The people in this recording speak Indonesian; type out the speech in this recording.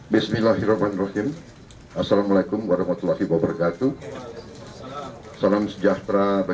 bismillahirrahmanirrahim assalamualaikum warahmatullahi wabarakatuh salam sejahtera